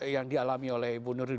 yang dialami oleh ibu nuril